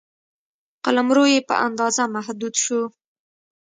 قلمرو یې په اندازه محدود شو.